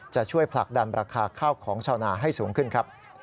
จะช่วยผลักดันราคาข้าวของชาวนาให้สูงขึ้นครับ